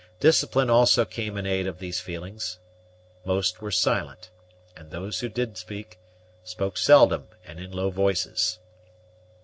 Discipline also came in aid of these feelings. Most were silent; and those who did speak spoke seldom and in low voices.